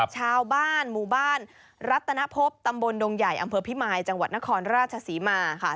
ชาวบ้านหมู่บ้านรัตนภพตำบลดงใหญ่อำเภอพิมายจังหวัดนครราชศรีมาค่ะ